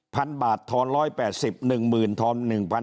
พันบาททอน๑๘๐หนึ่งหมื่นทอน๑๘๐๐